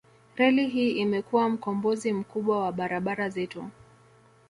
Reli hii imekuwa mkombozi mkubwa wa barabara zetu